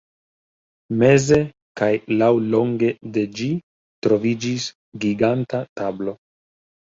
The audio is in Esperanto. Meze kaj laŭlonge de ĝi troviĝis giganta tablo.